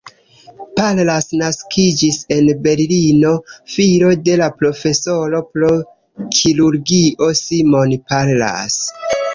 Pallas naskiĝis en Berlino, filo de la profesoro pro kirurgio Simon Pallas.